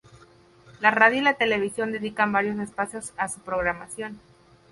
La radio y la televisión dedican varios espacios a su programación.